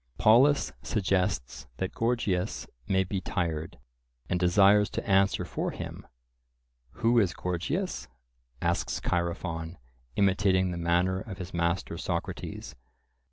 Polus suggests that Gorgias may be tired, and desires to answer for him. "Who is Gorgias?" asks Chaerephon, imitating the manner of his master Socrates.